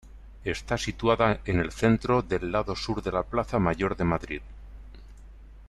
Está situada en el centro del lado sur de la plaza Mayor de Madrid.